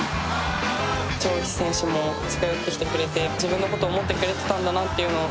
張雨霏選手も近寄ってきてくれて自分のことを思ってくれてたんだなというのを